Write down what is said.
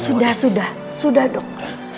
sudah sudah sudah dok